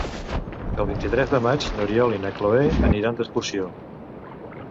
El vint-i-tres de maig n'Oriol i na Cloè aniran d'excursió.